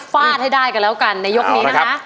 ฟาดให้ได้กันแล้วกันในยกนี้นะคะ